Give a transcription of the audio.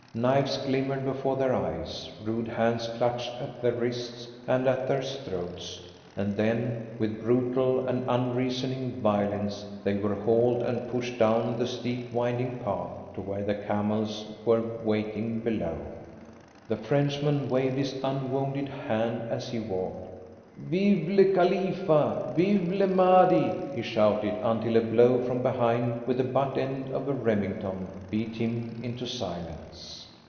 Knives glimmered before their eyes, rude hands clutched at their wrists and at their throats, and then, with brutal and unreasoning violence, they were hauled and pushed down the steep winding path to where the camels were waiting below. The Frenchman waved his unwounded hand as he walked. "Vive le Khalifa! Vive le Madhi!" he shouted, until a blow from behind with the butt end of a Remington beat him into silence.